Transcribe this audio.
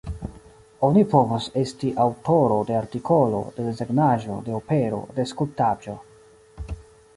Oni povas esti aŭtoro de artikolo, de desegnaĵo, de opero, de skulptaĵo.